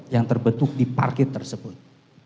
yang terbentuk di parkir tersebut